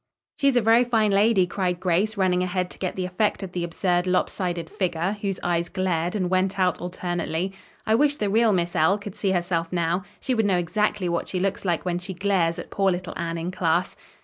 "She's a very fine lady," cried Grace, running ahead to get the effect of the absurd lopsided figure whose eyes glared and went out alternately. "I wish the real Miss L. could see herself now. She would know exactly what she looks like when she glares at poor little Anne in class."